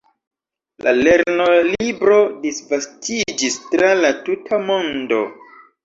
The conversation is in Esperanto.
La lernolibro disvastiĝis tra la tuta mondo.